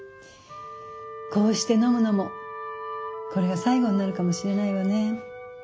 こうして飲むのもこれが最後になるかもしれないわね。